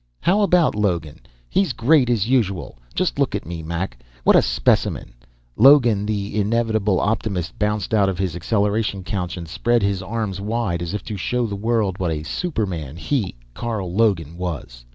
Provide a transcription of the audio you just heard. "How about Logan? He's great, as usual. Just look at me, Mac. What a specimen!" Logan, the inevitable optimist, bounced out of his acceleration couch and spread his arms wide as if to show the world what a superman he, Carl Logan, was.